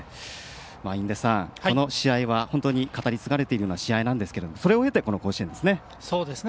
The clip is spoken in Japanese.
印出さん、この試合は語り継がれているような試合ですがそれを経て甲子園ですね。